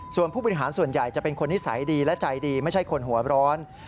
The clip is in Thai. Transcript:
ส่วนผู้บริหารส่วนใหญ่จะเป็นคนนิสัยดีและใจดีไม่ใช่คนหัวร้อน